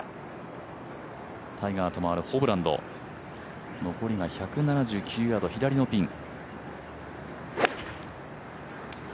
タイガーと回るホブランド残りが１７９ヤード、左のピン。